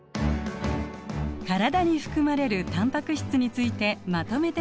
体に含まれるタンパク質についてまとめてみましょう。